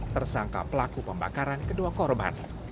tersangka pelaku pembakaran kedua korban